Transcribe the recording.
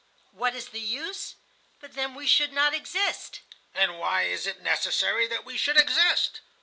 What is the use? But then we should not exist." "And why is it necessary that we should exist?"